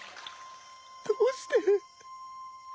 どうして。